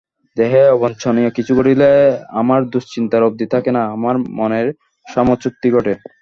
দেহে অবাঞ্ছনীয় কিছু ঘটিলে আমার দুশ্চিন্তার অবধি থাকে না, আমার মনের সাম্যচ্যুতি ঘটে।